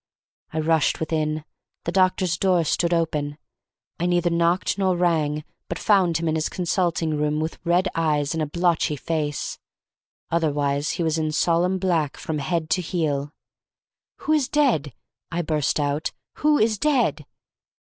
I rushed within. The doctor's door stood open. I neither knocked nor rang, but found him in his consulting room with red eyes and a blotchy face. Otherwise he was in solemn black from head to heel. "Who is dead?" I burst out. "Who is dead?"